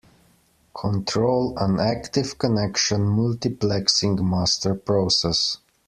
Control an active connection multiplexing master process.